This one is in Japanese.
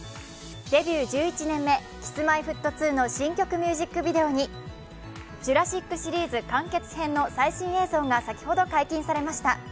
デビュー１１年目、Ｋｉｓ−Ｍｙ−Ｆｔ２の新曲ミュージックビデオに「ジュラシック」シリーズ最新映像が先ほど解禁されました。